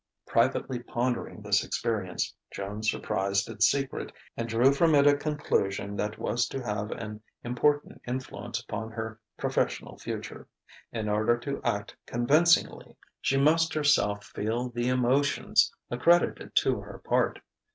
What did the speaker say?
Privately pondering this experience, Joan surprised its secret, and drew from it a conclusion that was to have an important influence upon her professional future: in order to act convincingly, she must herself feel the emotions accredited to her part.